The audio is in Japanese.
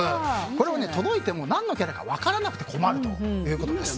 これは届いても何のキャラか分からなくて困るということです。